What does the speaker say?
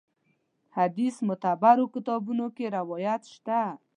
حدیث معتبرو کتابونو کې روایت شته.